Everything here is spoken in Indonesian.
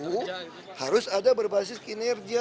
rp sembilan ratus harus ada berbasis kinerja